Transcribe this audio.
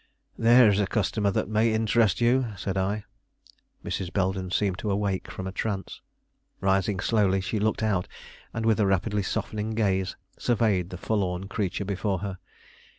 "There is a customer that may interest you," said I. Mrs. Belden seemed to awake from a trance. Rising slowly, she looked out, and with a rapidly softening gaze surveyed the forlorn creature before her.